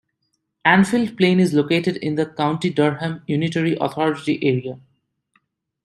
Annfield Plain is located in the County Durham unitary authority area.